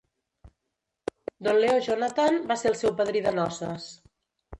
Don Leo Jonathan va ser el seu padrí de noces.